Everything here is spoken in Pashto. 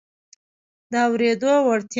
د اورېدو وړتیا